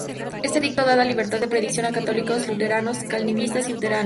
Este edicto daba libertad de predicación a católicos, luteranos, calvinistas y unitarios.